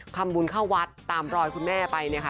ทำบุญเข้าวัดตามรอยคุณแม่ไปเนี่ยค่ะ